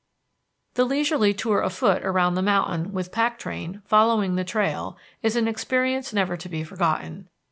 The leisurely tour afoot around the mountain, with pack train following the trail, is an experience never to be forgotten.